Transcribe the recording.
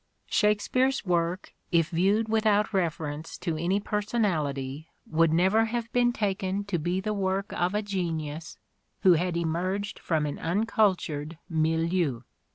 Shakespeare's work if viewed without reference Shakspere ..,,, and books. to any personality would never have been taken to be the work of a genius who had emerged from an uncultured milieu.